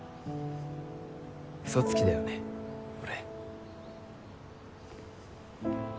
うそつきだよね俺。